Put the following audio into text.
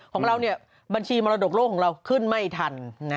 ของเราบัญชีมรดกโลกของเราขึ้นไม่ทัน